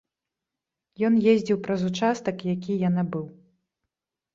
Ён ездзіў праз участак, якія я набыў.